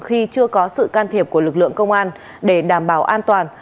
khi chưa có sự can thiệp của lực lượng công an để đảm bảo an toàn